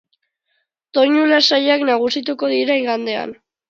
Doinu lasaiak nagusituko dira igandean.